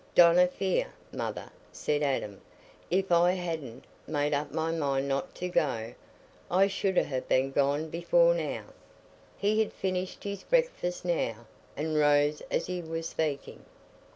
"Donna fear, mother," said Adam. "If I hadna made up my mind not to go, I should ha' been gone before now." He had finished his breakfast now, and rose as he was speaking.